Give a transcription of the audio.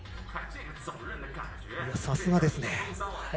さすがですね。